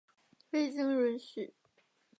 未经允许